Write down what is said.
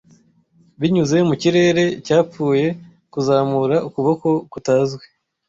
Binyuze mu kirere cyapfuye kuzamura ukuboko kutazwi,